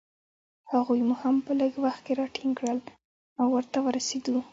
هغوی مو هم په لږ وخت کې راټینګ کړل، او ورته ورسېدو.